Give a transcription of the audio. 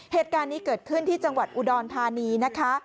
เหตุการณ์นี้เกิดขึ้นที่จังหวัดอุดรธานีนะคะ